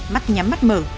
mắt nhắm mắt mở